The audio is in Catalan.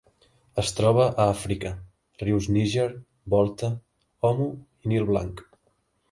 Es troba a Àfrica: rius Níger, Volta, Omo i Nil Blanc.